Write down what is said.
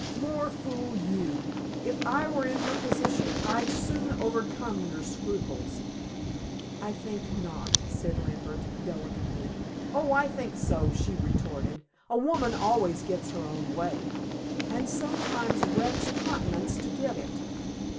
"More fool you. If I were in her position I'd soon overcome your scruples." "I think not," said Lambert delicately. "Oh, I think so," she retorted. "A woman always gets her own way." "And sometimes wrecks continents to get it."